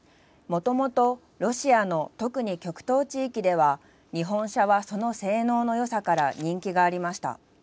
もともとロシアの特に極東地域では日本車は、その性能のよさから人気がありました。